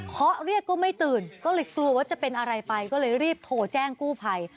เขาเรียกก็ไม่ตื่นก็เลยกลัวว่าจะเป็นอะไรไปก็เลยรีบโทรแจ้งกู้ภัย